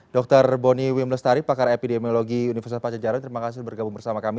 dr bonnie wimlestari pakar epidemiologi universitas pancasila jawa barat terima kasih sudah bergabung bersama kami